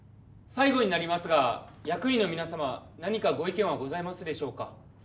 最後になりますが役員の皆様何かご意見はございますでしょうか？